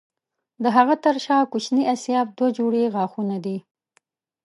د هغه تر شا کوچني آسیاب دوه جوړې غاښونه دي.